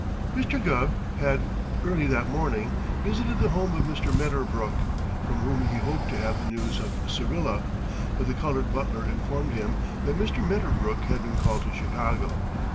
Mr. Gubb had, early that morning, visited the home of Mr. Medderbrook, from whom he hoped to have news of Syrilla, but the colored butler informed him that Mr. Medderbrook had been called to Chicago.